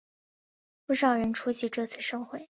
不少人出席这次盛会。